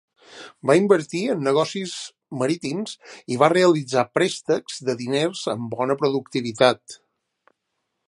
Va invertir en negocis marítims i va realitzar préstecs de diners amb bona productivitat.